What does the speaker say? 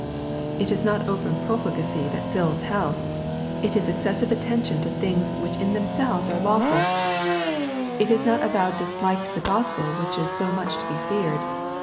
— It is not open profligacy that fills hell. It is excessive, attention to things which in themselves are 162 EXPOSITORY THOUGHTS. lawful. — It is not avowed dislike to the Gospel which is BO much to be feared.